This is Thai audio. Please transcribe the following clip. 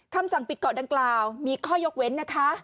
คำสั่งปิดเกาะดังกล่าวมีข้อยกเว้นนะคะ